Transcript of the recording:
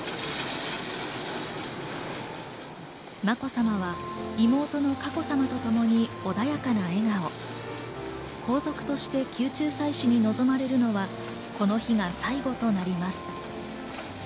まこさまは妹の佳子さまと共に穏やかな笑顔、皇族として宮中祭祀に臨まれるのはこの日が最後となります。